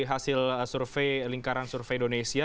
hasil lingkaran survei indonesia